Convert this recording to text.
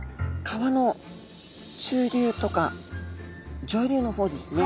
川の中流とか上流の方ですね。